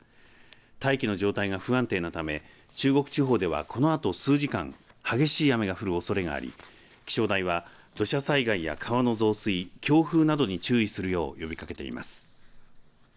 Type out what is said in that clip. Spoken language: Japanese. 大気の状態が不安定なため中国地方では、このあと数時間激しい雨が降るおそれがあり気象台は、土砂災害や川の増水強風などに注意するよう呼びかけています。